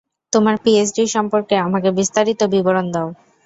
তোমার পিএইচডি সম্পর্কে আমাকে বিস্তারিত বিবরণ দাও।